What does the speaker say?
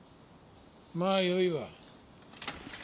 まぁよいわ。